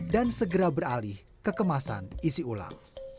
dan segera beralih ke kemasan isi ulang